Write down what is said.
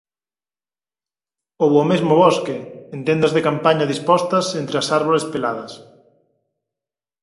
Ou o mesmo bosque, en tendas de campaña dispostas entre as árbores peladas.